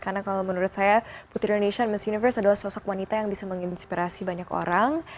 karena kalau menurut saya putri indonesia dan miss universe adalah sosok wanita yang bisa menginspirasi banyak orang